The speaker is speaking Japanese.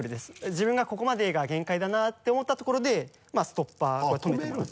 自分がここまでが限界だなって思ったところでストッパーこれ止めてもらって。